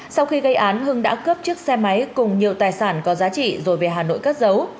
sau khi gây án hưng đã cướp chiếc xe máy cùng nhiều tài sản có giá trị rồi về hà nội cất dấu